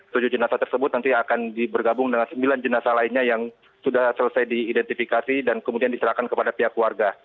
tujuh jenazah tersebut nanti akan bergabung dengan sembilan jenazah lainnya yang sudah selesai diidentifikasi dan kemudian diserahkan kepada pihak keluarga